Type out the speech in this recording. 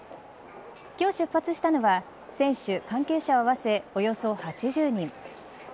今日、出発したのは選手、関係者を合わせおよそ８０人。